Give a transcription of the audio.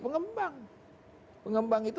pengembang pengembang itu